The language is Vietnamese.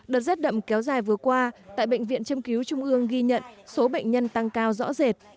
đợt rét đậm kéo dài vừa qua tại bệnh viện châm cứu trung ương ghi nhận số bệnh nhân tăng cao rõ rệt